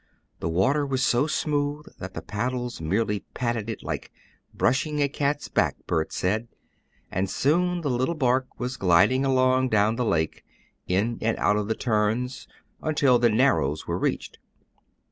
The water was so smooth that the paddles merely patted it, like "brushing a cat's back," Bert said, and soon the little bark was gliding along down the lake, in and out of the turns, until the "narrows" were reached.